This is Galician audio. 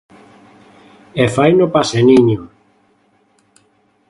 E faino paseniño.